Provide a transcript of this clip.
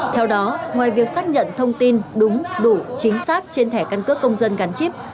theo đó ngoài việc xác nhận thông tin đúng đủ chính xác trên thẻ căn cước công dân gắn chip